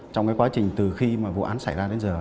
trong cái quá trình từ khi mà vụ án xảy ra đến giờ